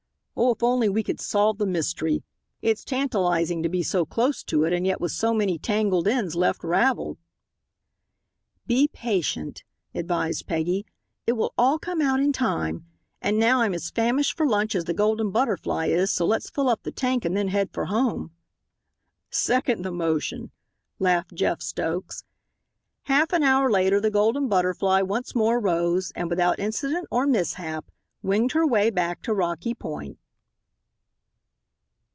"Oh, if only we could solve the mystery. It's tantalizing to be so close to it and yet with so many tangled ends left ravelled." "Be patient," advised Peggy, "it will all come out in time. And now I'm as famished for lunch as the Golden Butterfly is, so lets fill up the tank and then head for home." "Second the motion," laughed Jeff Stokes. Half an hour later the Golden Butterfly once more rose, and without incident or mishap winged her way back to Rocky Point.